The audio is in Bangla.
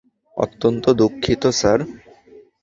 অত্যন্ত দুঃখিত স্যার।